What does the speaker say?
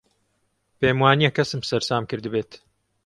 پێم وا نییە کەسم سەرسام کردبێت.